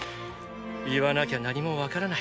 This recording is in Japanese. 言わなきゃ何もわからない。